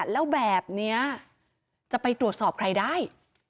แล้วแบบนี้จะไปตรวจสอบใครได้